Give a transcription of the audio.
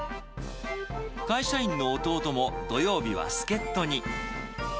会社員の弟も、土曜日は助っ人に。